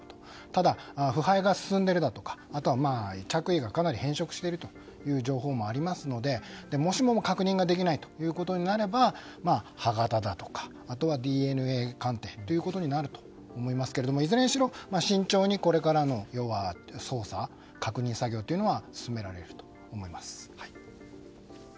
ただ、腐敗が進んでいるとか着衣がかなり変色しているという情報もありますのでもしその確認ができないとなれば歯形だとかあとはＤＮＡ鑑定ということになると思いますけれどもいずれにしろ、慎重にこれから捜査や確認作業が進められると思います。